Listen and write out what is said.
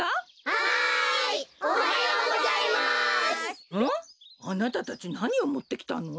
あなたたちなにをもってきたの？